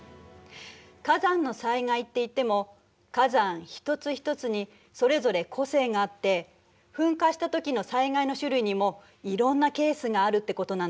火山の災害っていっても火山一つ一つにそれぞれ個性があって噴火したときの災害の種類にもいろんなケースがあるってことなの。